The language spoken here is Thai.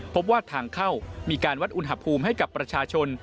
พบว่าทางเข้ามีการวัดอุณหภูมิให้กับประชาชน